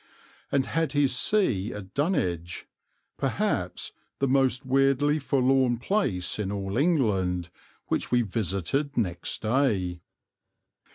and had his see at Dunwich, perhaps the most weirdly forlorn place in all England, which we visited next day.